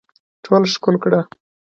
ټول ښکل کړه